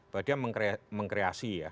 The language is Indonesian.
bahwa dia mengkreasi ya